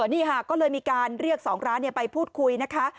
นี่ค่ะก็เลยมีการเรียก๒ร้านไปพูดคุยนะคะ